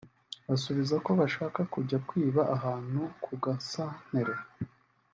asubiza ko bashakaga kujya kwiba ahantu ku gasanteri